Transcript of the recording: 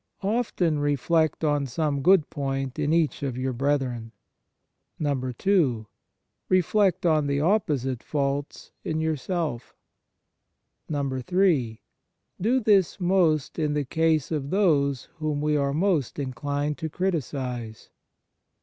OFTEN reflect on some good point in each of your brethren. 2. Reflect on the opposite faults in your self. 3. Do this most in the case of those whom we are most inclined to criticize.